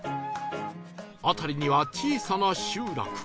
辺りには小さな集落